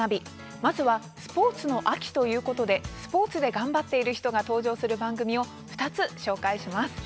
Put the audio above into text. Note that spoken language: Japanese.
まずはスポーツの秋ということでスポーツで頑張っている人が登場する番組を２つ紹介します。